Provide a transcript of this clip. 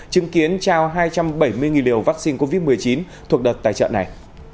chứng kiến trao hai trăm bảy mươi liều vaccine covid một mươi chín thuộc đợt tài trợ này